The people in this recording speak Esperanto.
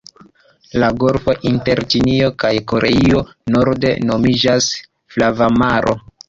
La golfo inter Ĉinio kaj Koreio norde nomiĝas Flava maro.